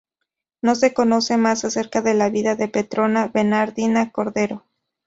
No se conoce más acerca de la vida de Petrona Bernardina Cordero.